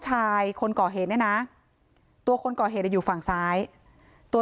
ชายคนก่อเหตุเนี่ยนะตัวคนก่อเหตุอยู่ฝั่งซ้ายตัว